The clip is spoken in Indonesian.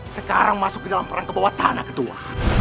sekarang masuk ke dalam perang kebawah tanah ketua